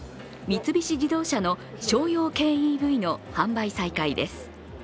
三菱自動車の商用軽ＥＶの販売再開です。